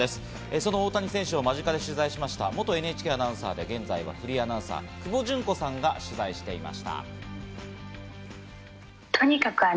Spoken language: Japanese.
その大谷選手を間近で取材した、元ＮＨＫアナウンサーで現在フリーアナウンサー・久保純子さんが取材していいます。